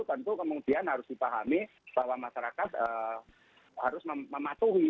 tentu kemudian harus dipahami bahwa masyarakat harus mematuhi